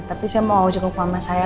tapi saya mau berjaga jaga sama saya